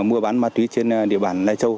mua bán ma túy trên địa bàn lai châu